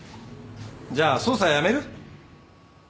じゃあ捜査やめる？